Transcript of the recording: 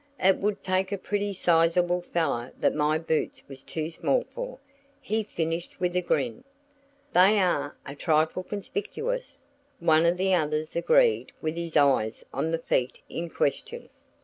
It would take a pretty sizeable fellow that my boots was too small for," he finished with a grin. "They are a trifle conspicuous," one of the others agreed with his eyes on the feet in question.